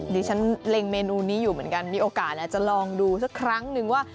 ดิฉันเล็งเมนูนี้อยู่เหมือนกันมีโอกาสอาจจะลองดูสักครั้งนึงว่า